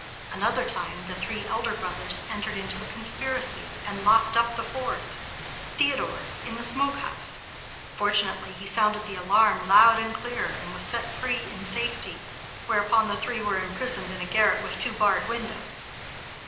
Another time the three elder brothers entered into a conspiracy, and locked up the fourth, Theodore, in the smoke house. Fortunately, he sounded the alarm loud and clear, and was set free in safety, whereupon the three were imprisoned in a garret with two barred windows.